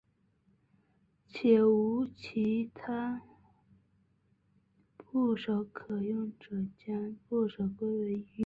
且无其他部首可用者将部首归为羽部。